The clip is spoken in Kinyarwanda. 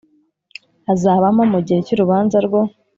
azabamo mu gihe cy urubanza rwo